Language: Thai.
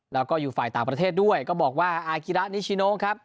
แล้วก็อยู่ฝ่ายต่างประเทศด้วยก็บอกว่าอากิระนิชิโนครับ